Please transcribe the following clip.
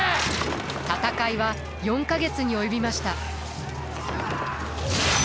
戦いは４か月に及びました。